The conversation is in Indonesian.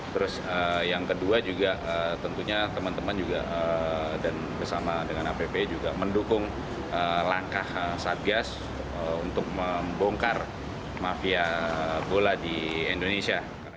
terus yang kedua juga tentunya teman teman juga dan bersama dengan app juga mendukung langkah satgas untuk membongkar mafia bola di indonesia